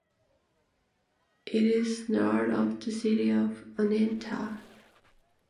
It is north of the City of Oneonta.